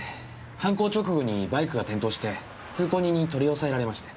犯行直後にバイクが転倒して通行人に取り押さえられまして。